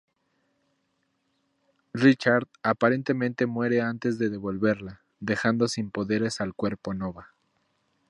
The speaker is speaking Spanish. Richard aparentemente muere antes de devolverla, dejando sin poderes al Cuerpo Nova.